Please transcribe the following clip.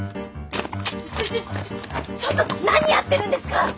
ちょちょちょちょっと何やってるんですか！